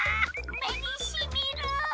めにしみる！